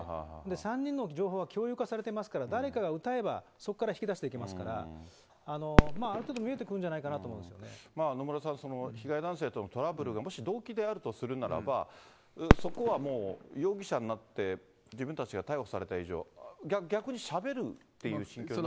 ３人の情報は共有化されてますから、誰かがうたえば、そこから引き出していきますから、ある程度見えてくるんじゃないかなと思う野村さん、被害男性とのトラブルがもし動機であるとするならば、そこはもう、容疑者になって、自分たちが逮捕された以上、逆にしゃべるっていう心境になって。